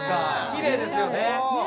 きれいですよね。